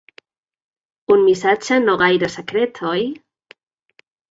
Un missatge no gaire secret, oi?